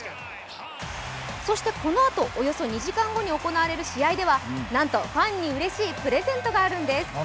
そしてこのあと、およそ２時間後に行われる試合ではファンにうれしいプレゼントがあるんです。